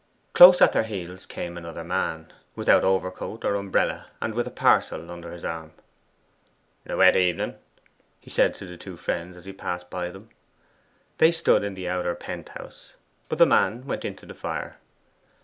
Close at their heels came another man, without over coat or umbrella, and with a parcel under his arm. 'A wet evening,' he said to the two friends, and passed by them. They stood in the outer penthouse, but the man went in to the fire.